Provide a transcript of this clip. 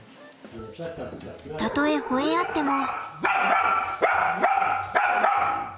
たとえほえ合っても。